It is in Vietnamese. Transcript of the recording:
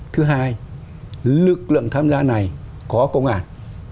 thứ hai lực lượng tham gia này có công an